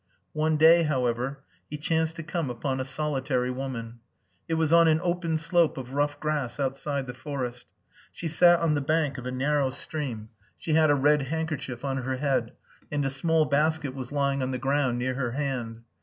One day, however, he chanced to come upon a solitary woman. It was on an open slope of rough grass outside the forest. She sat on the bank of a narrow stream; she had a red handkerchief on her head and a small basket was lying on the ground near her hand.